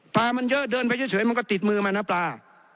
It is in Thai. ปลามันเยอะเดินไปเฉยมันก็ติดมือมันนะปลา